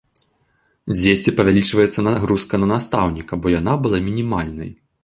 Дзесьці павялічваецца нагрузка на настаўніка, бо яна была мінімальнай.